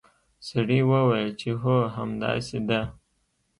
سړي وویل چې هو همداسې ده.